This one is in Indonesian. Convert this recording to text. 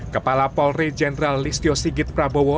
kepala polri jenderal listio sigit prabowo